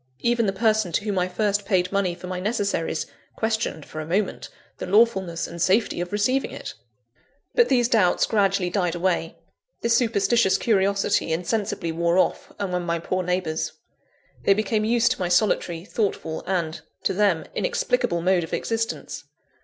Even the person to whom I first paid money for my necessaries, questioned, for a moment, the lawfulness and safety of receiving it! But these doubts gradually died away; this superstitious curiosity insensibly wore off, among my poor neighbours. They became used to my solitary, thoughtful, and (to them) inexplicable mode of existence.